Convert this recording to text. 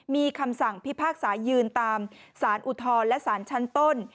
มีคำสั่งพิพากษายืนตามสารอุทธรณ์และสารชั้นต้น